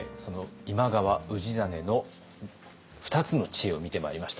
今川氏真の２つの知恵を見てまいりました。